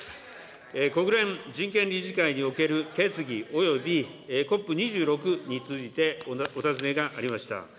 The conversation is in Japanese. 国連人権理事会における決議およびＣＯＰ２６についてお尋ねがありました。